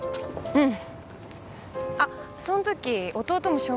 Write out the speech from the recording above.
うん。